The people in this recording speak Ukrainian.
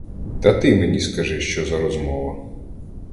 Та ти мені скажи, що за розмова.